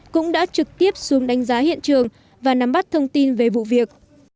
cũng đã trực tiếp xuống đánh giá hiện trường và nắm bắt thông tin về vụ việc